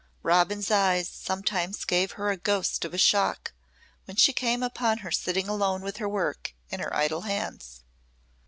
Robin's eyes sometimes gave her a ghost of a shock when she came upon her sitting alone with her work in her idle hands.